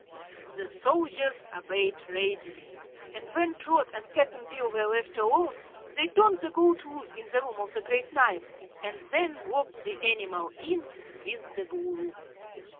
The soldiers obeyed readily, and when Trot and Cap'n Bill were left alone they turned the goat loose in the Room of the Great Knife and then locked the animal in with the Boolooroo.